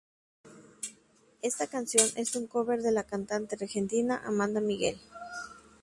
Esta canción es un cover de la cantante argentina Amanda Miguel.